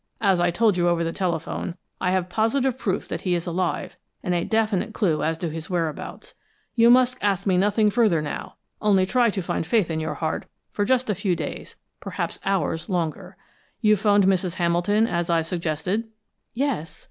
"As I told you over the telephone, I have positive proof that he is alive, and a definite clue as to his whereabouts. You must ask me nothing further now only try to find faith in your heart for just a few days, perhaps hours, longer. You 'phoned to Mrs. Hamilton, as I suggested?" "Yes.